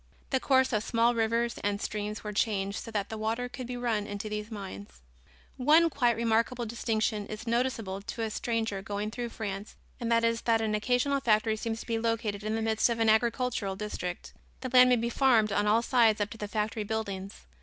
The course of small rivers and streams were changed so that the water could be run into these mines. One quite remarkable distinction is noticeable to a stranger going through France and that is that an occasional factory seems to be located in the midst of an agricultural district. The land may be farmed on all sides up to the factory buildings.